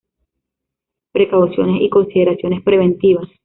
Precauciones y consideraciones preventivas